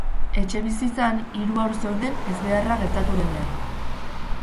Etxebizitzan hiru haur zeuden ezbeharra gertatu denean.